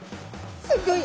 すギョい